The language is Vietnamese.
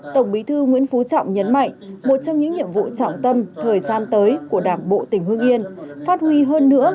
tổng bí thư nguyễn phú trọng nhấn mạnh một trong những nhiệm vụ trọng tâm thời gian tới của đảng bộ tỉnh hương yên phát huy hơn nữa